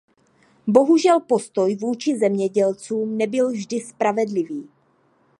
Bohužel postoj vůči zemědělcům nebyl vždy spravedlivý.